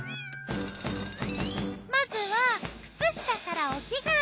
まずは靴下からお着替え。